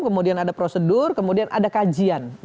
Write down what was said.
kemudian ada prosedur kemudian ada kajian